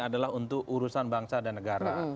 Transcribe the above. adalah untuk urusan bangsa dan negara